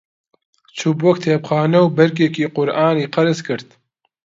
چوو بۆ کتێبخانە و بەرگێکی قورئانی قەرز کرد.